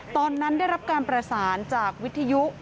ตอนนั้นได้รับการประสานจากวิทยุ